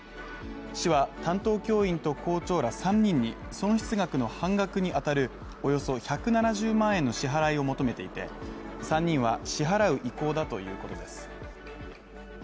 市は、担当教員と校長ら３人に、損失額の半額にあたるおよそ１７０万円の支払いを求めていて、３人は支払う意向だということです。